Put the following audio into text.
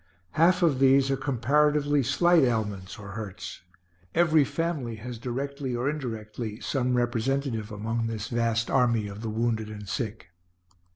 Half of these are comparatively slight ailments or hurts. Every family has directly or indirectly some representative among this vast army of the wounded and sick.